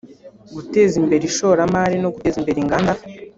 guteza imbere ishoramari no guteza imbere inganda